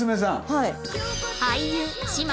はい。